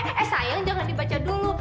eh eh sayang jangan dibaca dulu